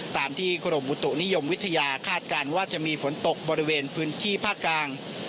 ตามที่กรมอุตุนิยมวิทยาคาดการณ์ว่าจะมีฝนตกบริเวณพื้นที่ภาคกลาง